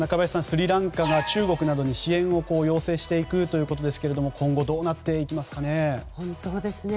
スリランカが中国などに支援を要請していくということですが今後どうなっていきますかね。